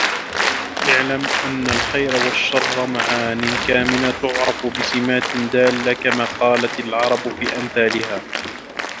اعْلَمْ أَنَّ الْخَيْرَ وَالشَّرَّ مَعَانٍ كَامِنَةٌ تُعْرَفُ بِسِمَاتٍ دَالَّةٍ كَمَا قَالَتْ الْعَرَبُ فِي أَمْثَالِهَا